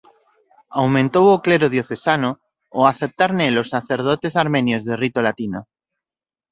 Aumentou o clero diocesano ao aceptar nel aos sacerdotes armenios de rito latino.